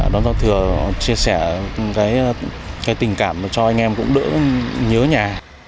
đón giao thừa chia sẻ cái tình cảm cho anh em cũng đỡ nhớ nhà